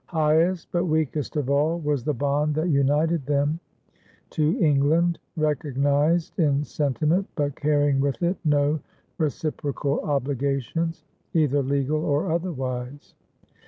Highest, but weakest of all, was the bond that united them to England, recognized in sentiment but carrying with it no reciprocal obligations, either legal or otherwise.